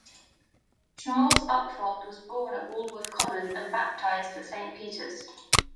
Charles Upfold was born at Walworth Common and baptised at Saint Peters.